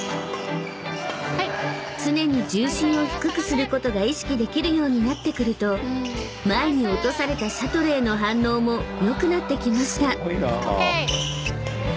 ［常に重心を低くすることが意識できるようになってくると前に落とされたシャトルへの反応も良くなってきました］